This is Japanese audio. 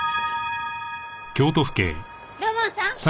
土門さん！